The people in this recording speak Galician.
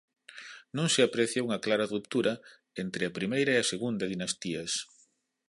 Non se aprecia unha clara ruptura entre a primeira e a segunda dinastías.